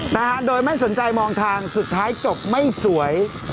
นะฮะโดยไม่สนใจมองทางสุดท้ายจบไม่สวย